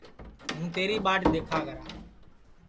ہُوں تیری ٻاٹ دؔیکھا کرا